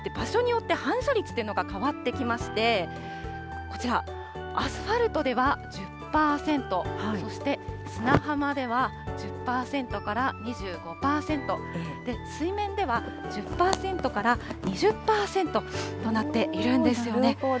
場所によって反射率というのが変わってきまして、こちら、アスファルトでは１０％、そして砂浜では１０％から２５％、水面では１０％から２０％となっているんですね。